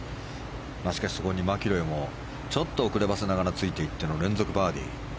しかしそこにマキロイもちょっと遅ればせながらついていっての連続バーディー。